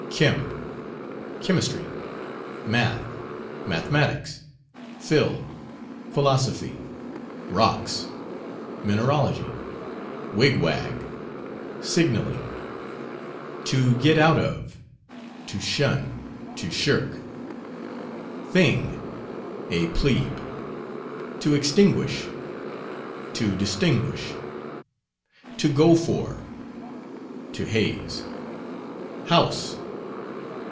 "Chem." Chemistry. "Math." Mathematics. "Phil." Philosophy. "Rocks." Mineralogy. "Wigwag." Signalling. "To get out of." To shun, to shirk. "Thing." A "plebe." "To extinguish." To distinguish. "To go for." To haze. "House."